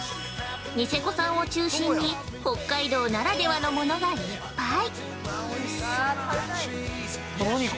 ニセコ産を中心に、北海道ならではの物がいっぱい。